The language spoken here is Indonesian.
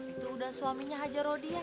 itu udah suaminya haji rodia